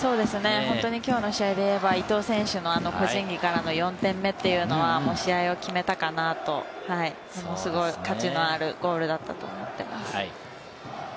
きょうの試合で言えば、伊東選手の個人技からの４点目というのは、試合を決めたかなと、ものすごく価値のあるゴールだったと思います。